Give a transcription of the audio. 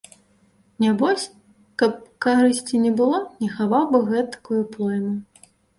Нябось, каб карысці не было, не хаваў бы гэтакую плойму.